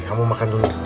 kamu makan dulu